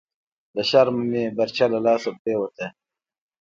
لهٔ شرمه مې برچه لهٔ لاسه پریوته… »